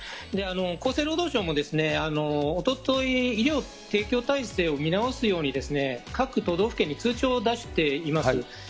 厚生労働省もおととい、医療提供体制を見直すように、各都道府県に通知を出しています。